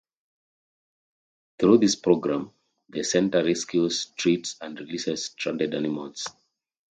Through this program, the center rescues, treats, and releases stranded animals.